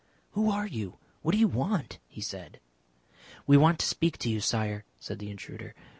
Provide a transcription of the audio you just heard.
"Who are you? What do you want?" he said. "We want to speak to you, Sire," said the intruder.